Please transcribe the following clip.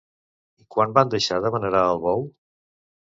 I quan van deixar de venerar al bou?